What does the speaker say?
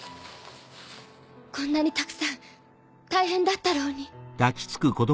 こんなにたくさん大変だったろうに。